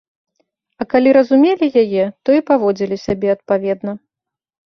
А калі разумелі яе, то і паводзілі сябе адпаведна.